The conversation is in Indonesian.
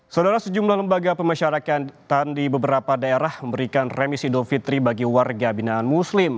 saudara sejumlah lembaga pemasyarakatan di beberapa daerah memberikan remisi idul fitri bagi warga binaan muslim